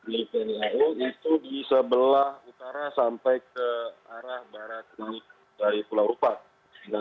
di tni au itu di sebelah utara sampai ke arah barat dari pulau rupa